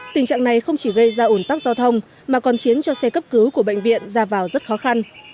tình trạng này không chỉ gây ra ủn tắc giao thông mà còn khiến cho xe cấp cứu của bệnh viện ra vào rất khó khăn